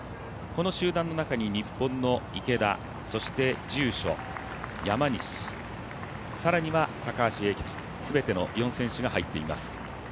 この集団の中に日本の池田住所、山西、更には高橋英輝と、全ての４選手が入っています。